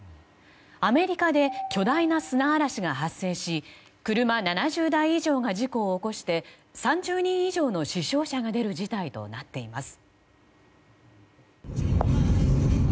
アメリカで巨大な砂嵐が発生し車７０台以上が事故を起こして３０人以上の死傷者が出る事態となっています。